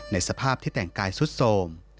ในสภาพที่แต่งกายสุดโสม